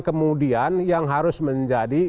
kemudian yang harus menjadi